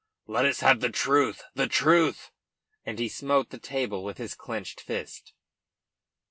Let us have the truth the truth!" And he smote the table with his clenched fist.